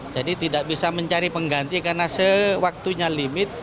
jadi tidak bisa mencari pengganti karena sewaktunya limit